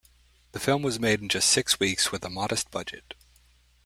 The film was made in just six weeks with a modest budget.